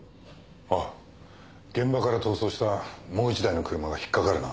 あぁ現場から逃走したもう１台の車が引っかかるな。